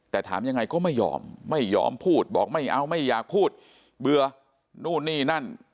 แต่ถามยังไงก็ไม่ยอมไม่ยอมพูดบอกไม่เอาไม่อยากพูดเบื่อนู่นนี่นั่น